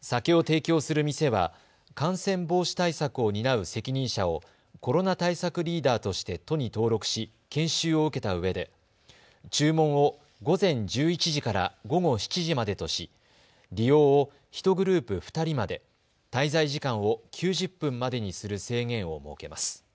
酒を提供する店は感染防止対策を担う責任者をコロナ対策リーダーとして都に登録し、研修を受けたうえで注文を午前１１時から午後７時までとし利用を１グループ２人まで、滞在時間を９０分までにする制限を設けます。